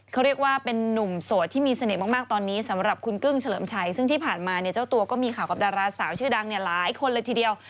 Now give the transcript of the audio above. เขาเรียกว่าเป็นนุ่มโสดที่มีเสน่ห์มากตอนนี้สำหรับคุณกึ้งเฉลิมชัยซึ่งที่ผ่านมาเนี่ยเจ้าตัวก็มีข่าวกับดาราสาวชื่อดังเนี่ยหลายคนเลยทีเดียว